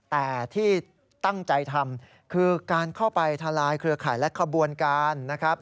แต่ที่ตั้งใจทำคือการเข้าไปทลายเครือข่ายและขบวนการนะครับ